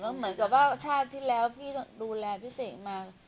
เหมือนกับว่าชาติที่แล้วพี่ดูแลพี่เสกมา